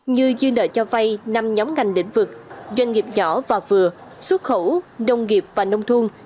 như dư nợ cho vay năm nhóm ngành lĩnh vực doanh nghiệp nhỏ và vừa xuất khẩu nông nghiệp và nông thôn